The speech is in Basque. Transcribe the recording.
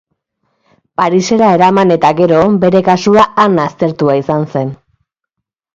Parisera eraman eta gero bere kasua han aztertua izan zen.